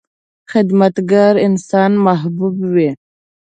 • خدمتګار انسان محبوب وي.